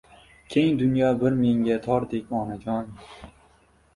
Keng dunyo bir menga tordek onajon